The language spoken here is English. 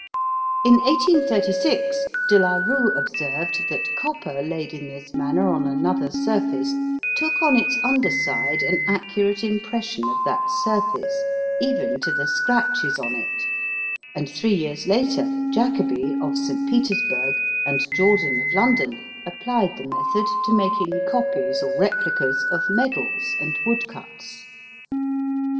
In 1836 De la Rue observed that copper laid in this manner on another surface took on its under side an accurate impression of that surface, even to the scratches on it, and three years later Jacobi, of St. Petersburg, and Jordan, of London, applied the method to making copies or replicas of medals and woodcuts.